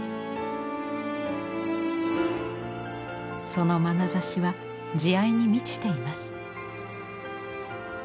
そのまなざしは慈愛に満ちています。